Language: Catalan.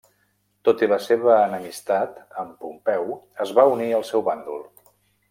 Tot i la seva enemistat amb Pompeu es va unir al seu bàndol.